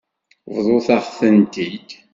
Bḍut-aɣ-tent-id.